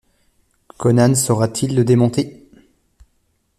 Conan saura-t-il le démonter?